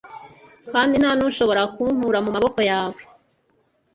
kandi nta n'ushobora kunkura mu maboko yawe